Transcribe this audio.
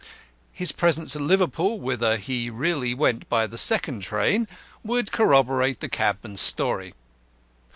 His presence at Liverpool (whither he really went by the second train) would corroborate the cabman's story.